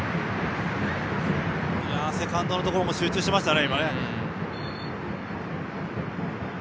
セカンドのところも集中していましたね。